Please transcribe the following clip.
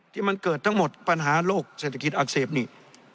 ที่มันเกิดทั้งหมดปัญหาโรคเศรษฐกิจอักเสบนี่